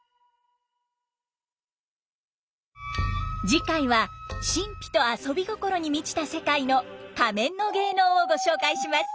次回は神秘と遊び心に満ちた世界の仮面の芸能をご紹介します。